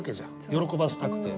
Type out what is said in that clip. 喜ばせたくて。